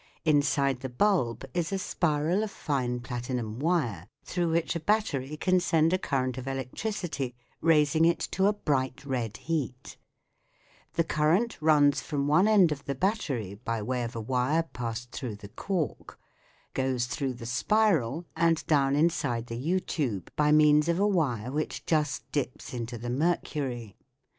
Inside the bulb is a spiral of fine platinum wire through which a battery can send a current of electricity raising it to a bright red heat, The current runs from one end of the battery by way of a wire passed through the cork, goes through the spiral, and down inside the U tube by means of a wire which just dips into the mercury.